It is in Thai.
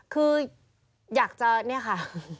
คืออยากจะเนี่ยค่ะ